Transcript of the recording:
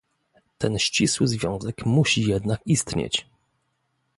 Ten ścisły związek musi jednak istnieć